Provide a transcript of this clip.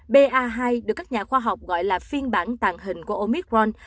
ba hai được các nhà khoa học gọi là phiên bản tàn hình của omicron